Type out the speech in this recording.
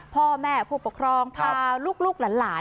พ่อแม่ผู้ปกครองพาลูกหลาน